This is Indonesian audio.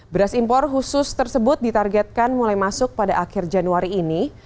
beras impor khusus tersebut ditargetkan mulai masuk pada akhir januari ini